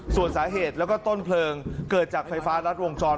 ส่วนสาเหตุแล้วก็ต้นเพลิงเกิดจากไฟฟ้ารัดวงจร